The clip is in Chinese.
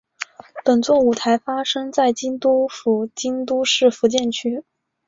本作舞台发生在京都府京都市伏见区。